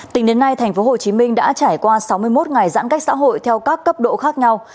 tính đến nay tp hcm đã trải qua sáu mươi một ngày giãn cách xã hội theo các cấp độ khác nhau